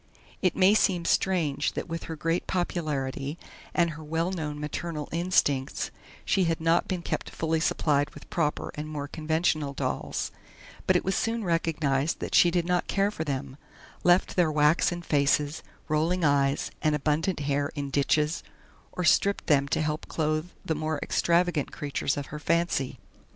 It may seem strange that with her great popularity and her well known maternal instincts, she had not been kept fully supplied with proper and more conventional dolls; but it was soon recognized that she did not care for them left their waxen faces, rolling eyes, and abundant hair in ditches, or stripped them to help clothe the more extravagant creatures of her fancy.